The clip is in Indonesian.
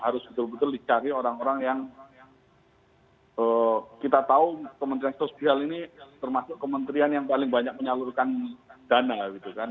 harus betul betul dicari orang orang yang kita tahu kementerian sosial ini termasuk kementerian yang paling banyak menyalurkan dana gitu kan